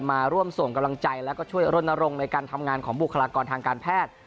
มาร่วมส่งกำลังใจแล้วก็ช่วยรณรงค์ในการทำงานของบุคลากรทางการแพทย์